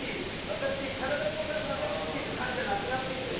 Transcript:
私体動かすの大好き！」っていう感じじゃなくなってきてるよね。